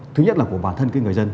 thứ nhất là của bản thân cái người dân